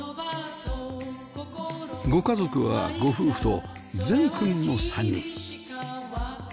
ご家族はご夫婦と禅くんの３人